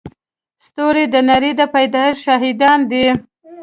ستوري د نړۍ د پيدایښت شاهدان دي.